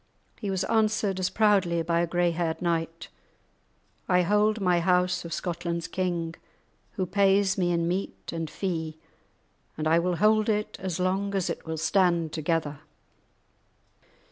He was answered, as proudly, by a grey haired knight: "I hold my house of Scotland's king, who pays me in meat and fee, and I will hold it as long as it will stand together."